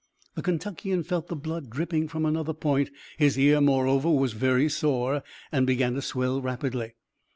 The Kentuckian felt the blood dripping from another point. His ear, moreover, was very sore and began to swell rapidly.